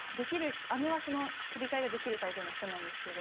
姉はその切り替えができるタイプの人なんですけど。